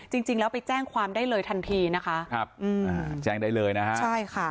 จริงแล้วไปแจ้งความได้เลยทันทีนะคะครับอืมอ่าแจ้งได้เลยนะฮะใช่ค่ะ